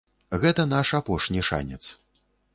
Гэта наш апошні шанец.